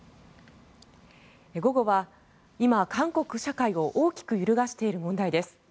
午後は今、韓国社会を大きく揺るがしている問題です。